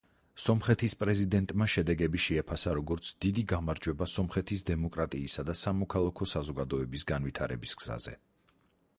სომხეთის პრეზიდენტმა შედეგები შეაფასა, როგორც „დიდი გამარჯვება სომხეთის დემოკრატიისა და სამოქალაქო საზოგადოების განვითარების გზაზე“.